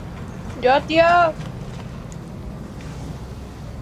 Los receptores están concentrados, en su mayoría, en ciudades y grandes puntos de población.